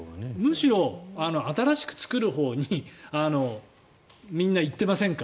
むしろ新しく作るほうにみんな行っていませんか